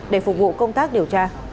để phục vụ công tác điều tra